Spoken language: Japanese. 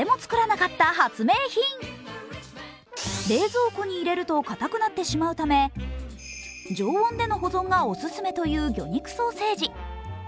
冷蔵庫に入れるとかたくなってしまうため、常温での保存がオススメという魚肉ソーセージ。